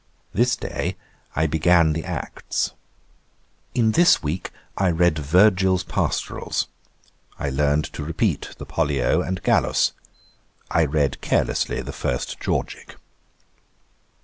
This day I began the Acts. 'In this week I read Virgil's Pastorals. I learned to repeat the Pollio and Gallus. I read carelessly the first Georgick.'